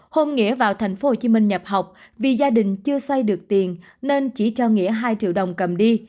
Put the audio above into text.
hôn nghĩa vào tp hcm nhập học vì gia đình chưa xây được tiền nên chỉ cho nghĩa hai triệu đồng cầm đi